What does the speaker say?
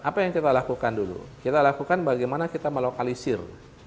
apa yang kita lakukan dulu kita lakukan bagaimana kita melokalisir